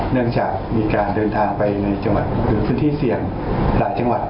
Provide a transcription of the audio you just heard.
เนื่องจากมีการเดินทางไปในจังหวัดหรือพื้นที่เสี่ยงหลายจังหวัด